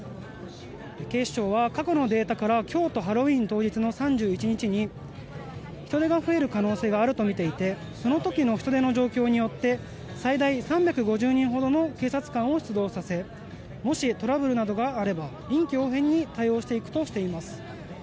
警視庁は過去のデータから今日とハロウィーン当日の３１日に人出が増える可能性があるとみていてその時の人出の状況によって最大３５０人ほどの警察官を出動させもしトラブルなどがあれば臨機応変に対応していくとしています。